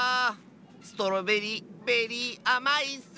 ストロベリーベリーあまいッス！